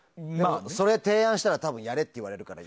それを提案したらやれって言われるから。